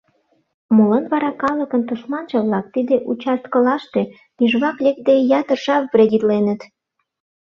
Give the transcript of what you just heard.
Молан вара калыкын тушманже-влак тиде участкылаште, тӱжвак лекде, ятыр жап вредитленыт?